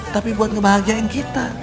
tapi buat ngebahagiain kita